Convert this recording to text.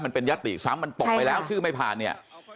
มันเป็นยติซ้ำมันตกไปแล้วชื่อไม่ผ่านเนี่ย